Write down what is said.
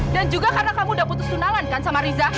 dan juga karena kamu udah putus tunangan kan sama riza